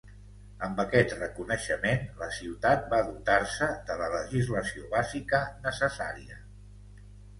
Amb aquest reconeixement, la ciutat va dotar-se de la legislació bàsica necessària.